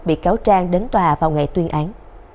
bị cáo trang đến tòa vào ngày tuyên án